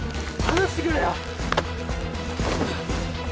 離してくれよ。